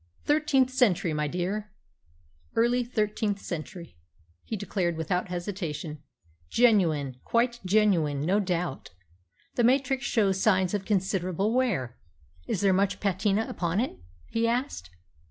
"Thirteenth century, my dear early thirteenth century," he declared without hesitation. "Genuine, quite genuine, no doubt. The matrix shows signs of considerable wear. Is there much patina upon it?" he asked.